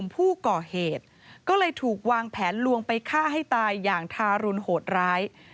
ผู้ก่อเหตุก็เลยถูกวางแผนลวงไปฆ่าให้ตายอย่างทารุณโหดร้าย